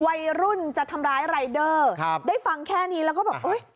วัยรุ่นจะทำร้ายรายเดอร์ครับได้ฟังแค่นี้แล้วก็แบบเอ้ย